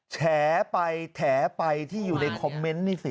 แฉไปแฉไปที่อยู่ในคอมเมนต์นี่สิ